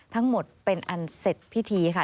ทั้งหมดเป็นอันเสร็จพิธีค่ะ